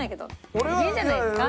これでいいんじゃないですか？